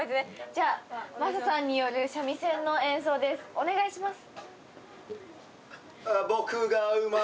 じゃあマサさんによる三味線の演奏ですお願いします。